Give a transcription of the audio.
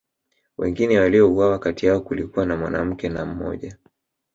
wengine waliouawa kati yao kulikuwa na mwanamke na mmoja